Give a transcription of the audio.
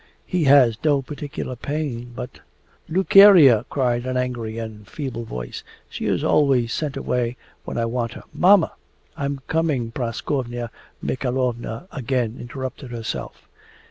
He has no particular pain, but...' 'Lukerya!' cried an angry and feeble voice. 'She is always sent away when I want her. Mamma...' 'I'm coming!' Praskovya Mikhaylovna again interrupted herself.